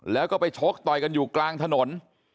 แล้วก็ไปชกต่อยกันอยู่กลางถนน